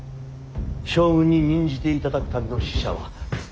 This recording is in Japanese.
将軍に任じていただくための使者は。